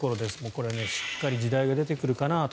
これはしっかり時代が出てくるかなと。